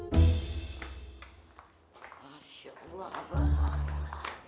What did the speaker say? masya allah mba